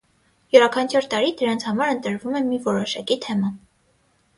Յուրաքանչյուր տարի դրանց համար ընտրվում է մի որոշակի թեմա։